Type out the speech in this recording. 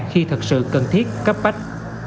khi thực sự cần thiết cấp bách